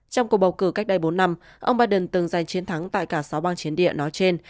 trong cuộc bầu cử cách đây bốn năm ông biden từng giành chiến thắng tại cả sáu bang chiến địa nói trên